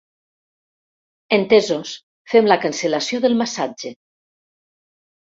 Entesos, fem la cancel·lació del massatge.